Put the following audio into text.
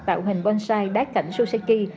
tạo hình bonsai đá cảnh suzuki